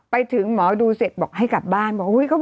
ไปถึงหมอดูเสร็จบอกให้กลับบ้านบอก